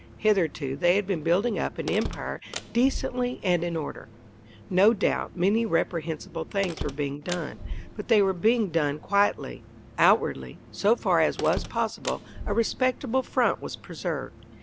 Hitherto they had been building up an Empire decently and in order; no doubt, many reprehensible things were being done, but they were being done quietly: outwardly, so far as was possible, a respectable front was preserved.